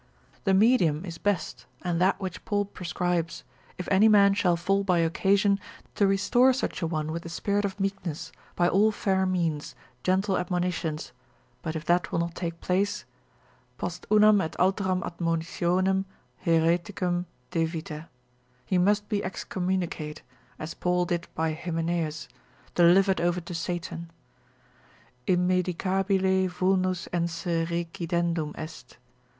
The medium is best, and that which Paul prescribes, Gal. i. If any man shall fall by occasion, to restore such a one with the spirit of meekness, by all fair means, gentle admonitions; but if that will not take place, Post unam et alteram admonitionem haereticum devita, he must be excommunicate, as Paul did by Hymenaeus, delivered over to Satan. Immedicabile vulnus ense recidendum est.